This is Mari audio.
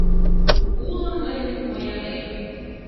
Уло мыйын поянем.